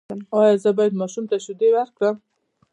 ایا زه باید ماشوم ته شیدې ورکړم؟